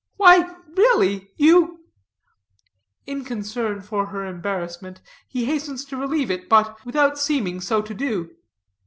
"Why really you " In concern for her embarrassment, he hastens to relieve it, but, without seeming so to do.